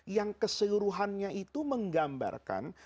yang keseluruhannya itu menggambarkan